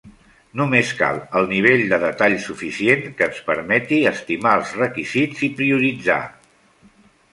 Només cal el nivell de detall suficient que ens permeti estimar els requisits i prioritzar.